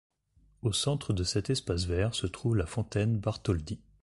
Au centre de cet espace vert se trouve la fontaine Bartholdi.